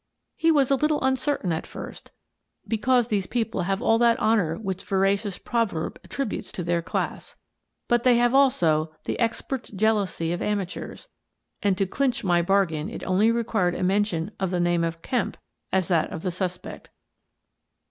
He was a little uncertain at first, because these people have all that honour which veracious proverb attributes to their class. But they have also the expert's jealousy of amateurs and to clinch my bar gain it only required a mention of the name of Kemp as that of the suspect.